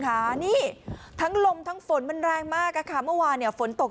ค่ะนี่ทั้งลมทั้งฝนมันแรงมากอะค่ะเมื่อวานเนี่ยฝนตก